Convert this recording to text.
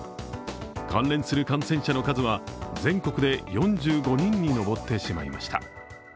関連する感染者の数は全国で４５人に上ってしまいました。